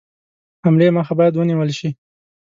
حملې مخه باید ونیوله شي.